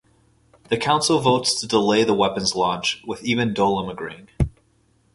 The Council votes to delay the weapon's launch, with even Dolim agreeing.